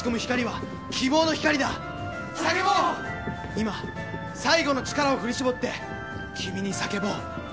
いま最後の力を振り絞って君に叫ぼう。